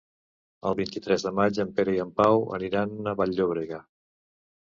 El vint-i-tres de maig en Pere i en Pau aniran a Vall-llobrega.